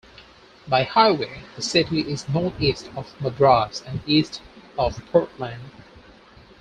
By highway, the city is northeast of Madras and east of Portland.